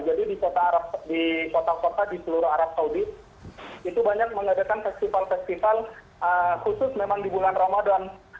jadi di kota kota di seluruh arab saudi itu banyak mengadakan festival festival khusus memang di bulan ramadan